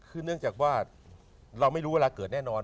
เราไม่รู้เวลาเกิดแน่นอน